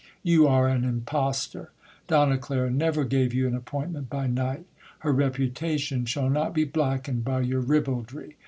You are an impostor. Donna Clara never gave you an appointment by night. Her reputation shall not be blackened by your ribaldry.